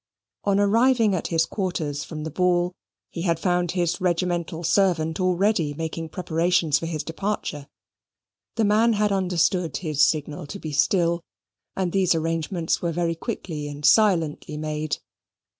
On arriving at his quarters from the ball, he had found his regimental servant already making preparations for his departure: the man had understood his signal to be still, and these arrangements were very quickly and silently made.